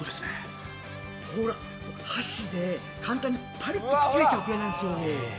ほら、箸で簡単にパリッと切れちゃうくらいなんです。